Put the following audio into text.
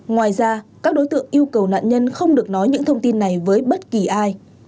ngoài ra các đối tượng yêu cầu nạn nhân không được nói những thông tin này với bất kỳ ai